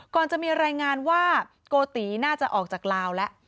ก่อนจะมีรายงานว่าโกติน่าจะออกจากลาวแล้ว